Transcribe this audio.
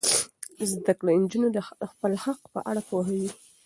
زده کړه نجونې د خپل حقونو په اړه پوهوي.